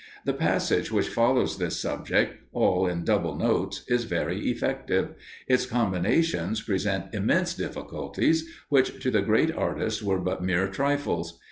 The passage which follows this subject, all in double notes, is very effective: its combinations present immense difficulties, which to the great artist were but mere trifles.